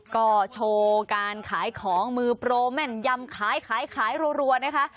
ก็โชว์การขายของมือโปรแม่นยำขายขายรัวนะคะ